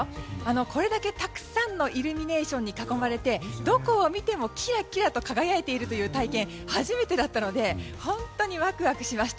これだけ、たくさんのイルミネーションに囲まれてどこを見てもキラキラと輝いている体験は初めてだったので本当にワクワクしました。